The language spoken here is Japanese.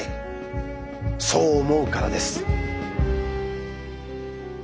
そう思うからです。